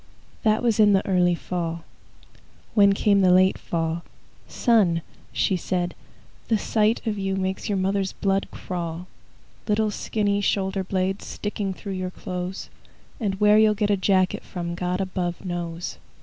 That was in the early fall. When came the late fall, "Son," she said, "the sight of you Makes your mother's blood crawl,– "Little skinny shoulder blades Sticking through your clothes! And where you'll get a jacket from God above knows.